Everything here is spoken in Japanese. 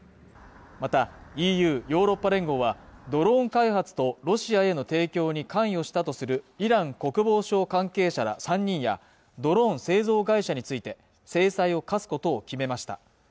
またＥＵ＝ヨーロッパ連合はドローン開発とロシアへの提供に関与したとするイラン国防省関係者ら３人やドローン製造会社について制裁を科すことを決めました